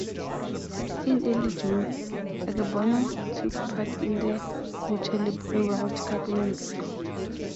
In early June, Akebono took part in the Lucha Libre World Cup in Mexico.